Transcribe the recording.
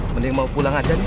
mending bawa pulang aja oneself